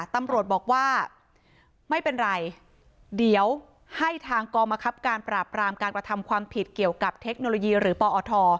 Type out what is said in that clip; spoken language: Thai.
ตำรวจบอกว่าไม่เป็นไรเดี๋ยวให้ทางกรมคับการปราบรามการกระทำความผิดเกี่ยวกับเทคโนโลยีหรือปอท